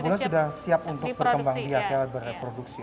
dua bulan sudah siap untuk berkembang biak ya berproduksi